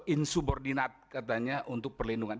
insubordinat katanya untuk perlindungan